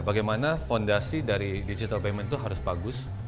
bagaimana fondasi dari digital payment itu harus bagus